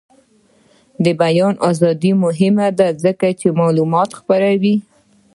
د بیان ازادي مهمه ده ځکه چې معلومات خپروي.